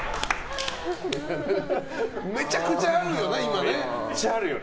めちゃくちゃあるよな、今ね。